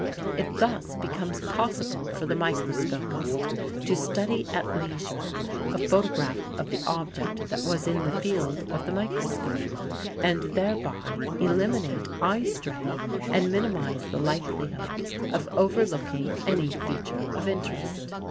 It thus becomes possible for the microscopist to study at leisure a photograph of the object that was in the field of the microscope, and thereby eliminate eye strain and minimize the likelihood of overlooking any feature of interest.